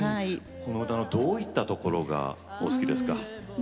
どういったところがお好きですか？